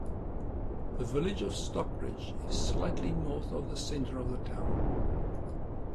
The village of Stockbridge is slightly north of the center of the town.